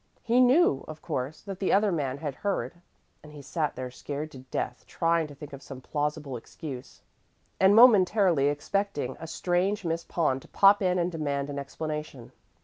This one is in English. He knew, of course, that the other man had heard, and he sat there scared to death, trying to think of some plausible excuse, and momentarily expecting a strange Miss Pond to pop in and demand an explanation.